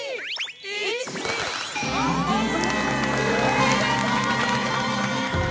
おめでとうございます。